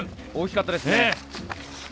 大きかったですね。